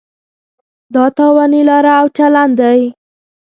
دا تاواني لاره او چلن دی.